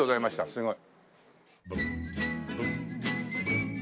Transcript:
すごい。